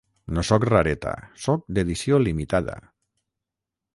No soc rareta, soc d'edició limitada.